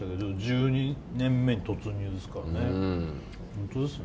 １２年目に突入ですから。